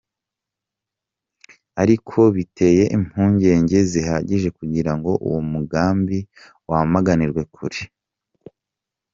Ariko biteye impungenge zihagije kugirango uwo mugambi wamaganirwe kure.